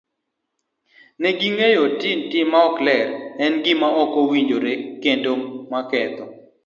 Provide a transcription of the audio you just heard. Ne ging'eyo ni tim maok ler en gima ok owinjore kendo maketho.